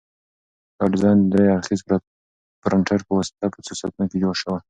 دا ډیزاین د درې اړخیزه پرنټر په واسطه په څو ساعتونو کې جوړ شو.